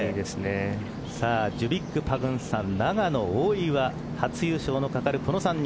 さあジュビック・パグンサン永野、大岩初優勝のかかるこの３人。